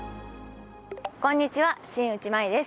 こんにちは新内眞衣です。